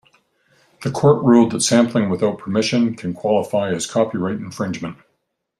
The court ruled that sampling without permission can qualify as copyright infringement.